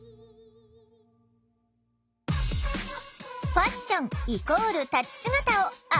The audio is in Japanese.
「ファッションイコール立ち姿」をアップデート！